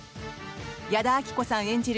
矢田亜希子さん演じる